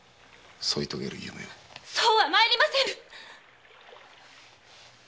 そうは参りませぬ！